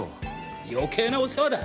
余計なお世話だ！